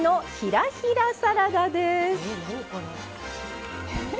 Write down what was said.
え何これ？